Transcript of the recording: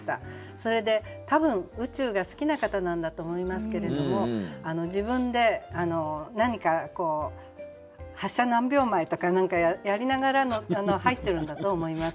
それで多分宇宙が好きな方なんだと思いますけれども自分で何か「発射何秒前」とかやりながら入ってるんだと思います。